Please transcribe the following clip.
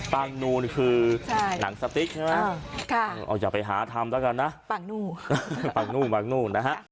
ปังนูนคือหนังสติ๊กใช่ไหมอย่าไปหาทำแล้วกันนะปังนูนนะฮะ